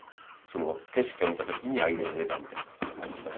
その景色を見た時にアイデアが出たみたいな感じかな。